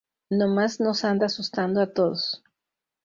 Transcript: Nomás nos anda asustando a todos.